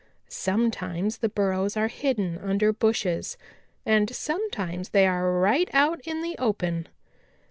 Sometimes the burrows are hidden under bushes, and sometimes they are right out in the open.